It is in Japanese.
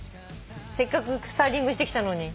せっかくスタイリングしてきたのに。